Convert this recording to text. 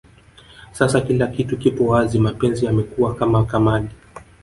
Sasa kila kitu kipo wazi mapenzi yamekuwa kama kamali